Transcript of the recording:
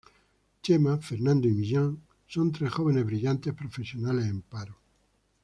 Chema, Fernando y Millán son tres jóvenes y brillantes profesionales en paro.